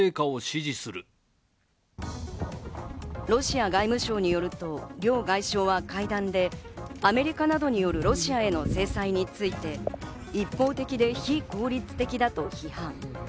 ロシア外務省によると両外相は会談で、アメリカなどによるロシアへの制裁について、一方的で非効率的だと批判。